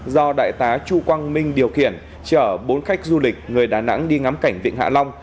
do đại tá chu quang minh điều khiển chở bốn khách du lịch người đà nẵng đi ngắm cảnh vịnh hạ long